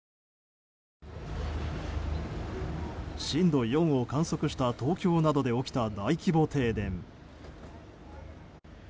震度４を観測した東京などで起きた大規模停電。